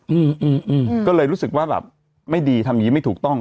อืมอืมก็เลยรู้สึกว่าแบบไม่ดีทำอย่างงี้ไม่ถูกต้อง